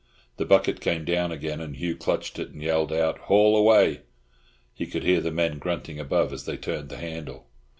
The bucket came down again, and Hugh clutched it and yelled out, "Haul away!" He could hear the men grunting above as they turned the handle.